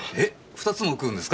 ２つも食うんですか？